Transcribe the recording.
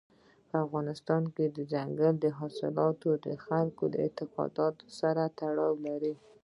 په افغانستان کې دځنګل حاصلات د خلکو د اعتقاداتو سره تړاو لري.